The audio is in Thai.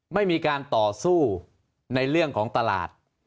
ไม่มีการต่อสู้ในเรื่องของตลาด